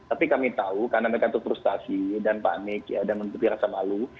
tapi kami tahu karena mereka tuh frustasi dan panik dan berasa malu